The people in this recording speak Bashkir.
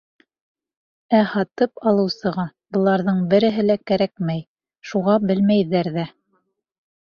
Ә һатып алыусыға быларҙың береһе лә кәрәкмәй, шуға белмәйҙәр ҙә.